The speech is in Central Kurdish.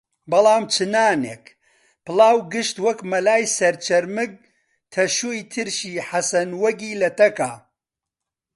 بەڵام چ نانێک، پڵاو گشت وەک مەلای سەرچەرمگ تەشوی ترشی حەسەن وەگی لە تەکا